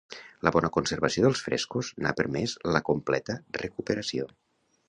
La bona conservació dels frescos n'ha permés la completa recuperació.